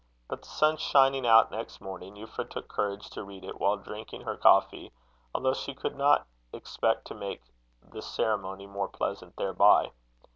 But the sun shining out next morning, Euphra took courage to read it, while drinking her coffee, although she could not expect to make that ceremony more pleasant thereby.